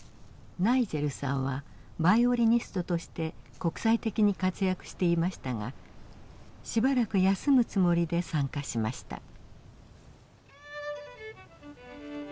ナイジェルさんはバイオリニストとして国際的に活躍していましたがしばらく休むつもりで参加しました。